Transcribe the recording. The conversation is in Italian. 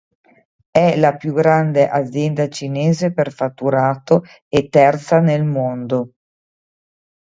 È la più grande azienda cinese per fatturato e terza nel mondo.